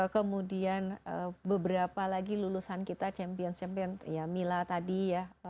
kemudian beberapa lagi lulusan kita champion champion ya mila tadi ya